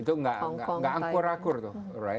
itu nggak angkur angkur tuh